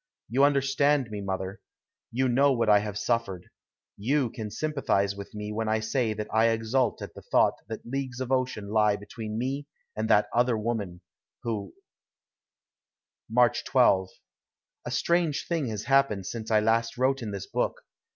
You understand me, mother. You know what I have suffered. You can sympathize with me when I say that I exult at the thought that leagues of ocean lie between me and that other woman, who March 12. A strange thing has happened since I last wrote in this book.